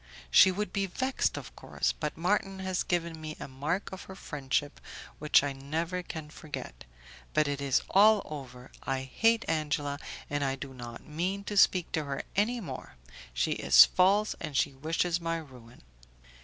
"She would be vexed, of course; but Marton has given me a mark of her friendship which I never can forget. But it is all over; I hate Angela, and I do not mean to speak to her any more! she is false, and she wishes my ruin."